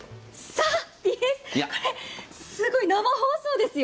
これすごい、生放送ですよ